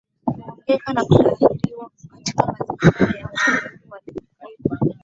kuongoka na kutahiriwa Katika mazingira yao Wayahudi walikuwa